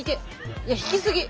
いや引き過ぎ！